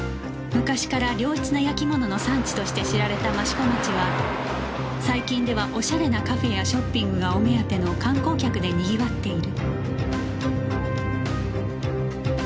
昔から良質な焼きものの産地として知られた益子町は最近ではおしゃれなカフェやショッピングがお目当ての観光客でにぎわっている